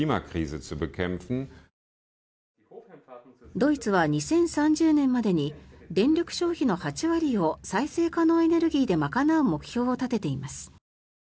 ドイツは２０３０年までに電力消費の８割を再生可能エネルギーで賄う目標を立てています。